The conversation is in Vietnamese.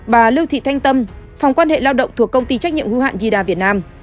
bà lương thị thanh tâm phòng quan hệ lao động thuộc công ty trách nhiệm hưu hạn yida việt nam